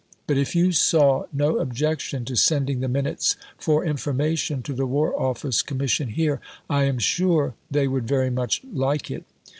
But, if you saw no objection to sending the Minutes for information to the War Office Commission here, I am sure they would very much like it.